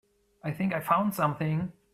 I think I found something.